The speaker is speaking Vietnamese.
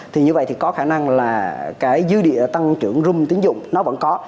thì như vậy thì có khả năng là cái dư địa tăng trưởng rum tín dụng nó vẫn có